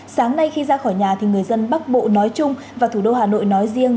sáng nay khi ra khỏi nhà thì người dân bắc bộ nói chung và thủ đô hà nội nói riêng